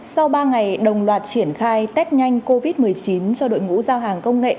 sau ba ngày đồng loạt triển khai test nhanh covid một mươi chín cho đội ngũ giao hàng công nghệ